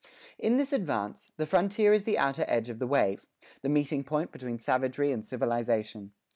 In this advance, the frontier is the outer edge of the wave the meeting point between savagery and civilization.